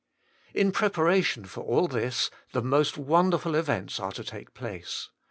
In preparation for all this the most wonderful events are to take place.